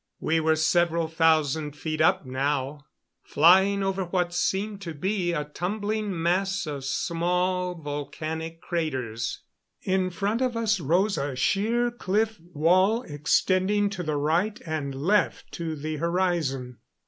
We were several thousand feet up now, flying over what seemed to be a tumbling mass of small volcanic craters. In front of us rose a sheer cliff wall, extending to the right and left to the horizon.